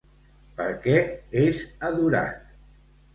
Per què és adorat?